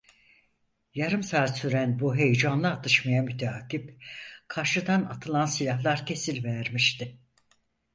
Yarım saat süren bu heyecanlı atışmayı müteakip, karşıdan atılan silahlar kesilivermişti.